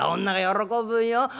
女が喜ぶよ。